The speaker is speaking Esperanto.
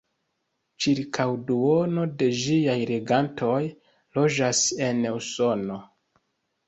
Ĉirkaŭ duono de ĝiaj legantoj loĝas en Usono.